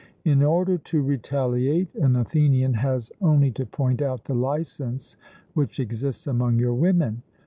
In order to retaliate, an Athenian has only to point out the licence which exists among your women.